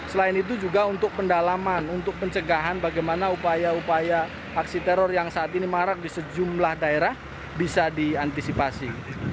selain itu juga untuk pendalaman untuk pencegahan bagaimana upaya upaya aksi teror yang saat ini marak di sejumlah daerah bisa diantisipasi